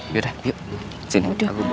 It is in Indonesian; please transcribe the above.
yaudah yuk sini